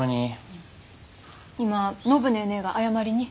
今暢ネーネーが謝りに。